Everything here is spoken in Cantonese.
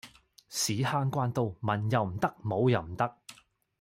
屎坑關刀文又唔得武又唔得